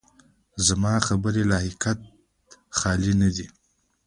زما خبرې له حقیقته خالي نه دي.